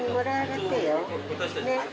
ねっ？